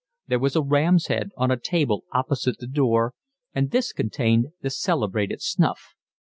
There was a ram's head on a table opposite the door, and this contained the celebrated snuff.